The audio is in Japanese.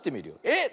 えっ！